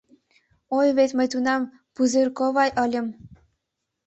Ой, вет мый тунам Пузырькова ыльым!